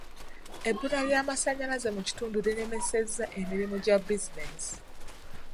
Ebbula ly'masannyalaze mu kitundu liremesezza emirimu gya bizinensi.